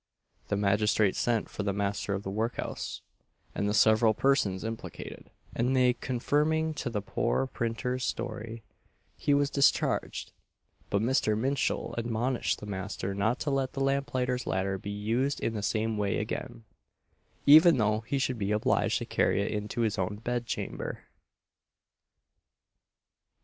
The magistrate sent for the master of the workhouse, and the several persons implicated, and they confirming the poor printer's story, he was discharged; but Mr. Minshull admonished the master not to let the lamplighter's ladder be used in the same way again, even though he should be obliged to carry it into his own bed chamber.